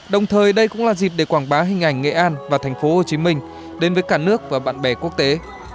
đồng thời đây cũng là dịp để quảng bá hình ảnh nghệ an và tp hcm đến với cả nước và bạn bè quốc tế